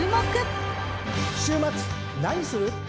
週末何する？